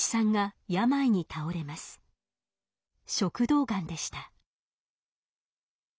食道がんでした。